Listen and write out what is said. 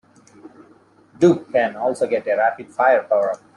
Duke can also get a rapid fire powerup.